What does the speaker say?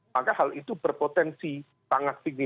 maka hal itu berpotensi sangat tinggi